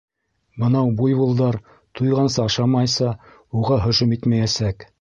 Бынау буйволдар туйғансы ашамайса уға һөжүм итмәйәсәк.